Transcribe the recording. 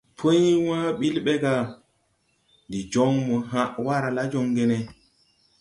Puy wãã ɓil ɓɛ ga: « Ndi joŋ mo hãʼ waara la joŋge ne?